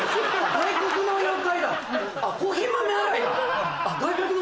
外国の妖怪の方？